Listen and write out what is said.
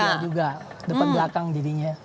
iya juga depan belakang dirinya